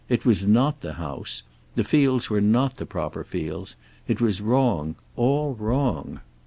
It was not the house. The fields were not the proper fields. It was wrong, all wrong.